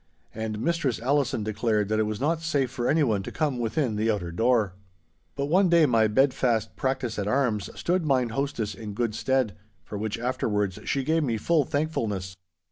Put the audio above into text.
And Mistress Allison declared that it was not safe for anyone to come within the outer door. But one day my bed fast practice at arms stood mine hostess in good stead, for which afterwards she gave me full thankfulness.